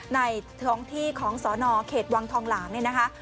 ในท้องที่ของสนเขตวังทองหลางเนี่ยนะคะ